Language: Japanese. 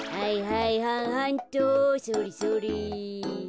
それそれ。